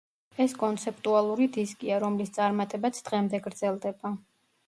ეს კონცეპტუალური დისკია, რომლის წარმატებაც დღემდე გრძელდება.